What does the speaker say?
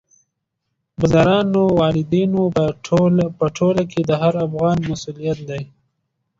بزګرانو، والدینو په ټوله کې د هر افغان مسؤلیت دی.